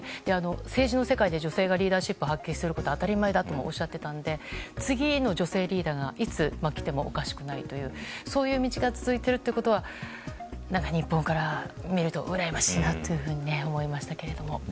政治の世界で女性がリーダーシップを発揮することは当たり前だともおっしゃっていたので次の女性リーダーがいつ来てもおかしくないというそういう道が続いているということは日本から見るとうらやましいなというふうに思いましたけども。